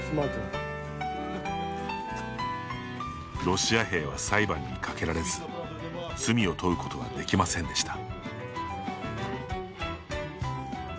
ロシア兵は裁判にかけられず罪を問うことはできませんでした。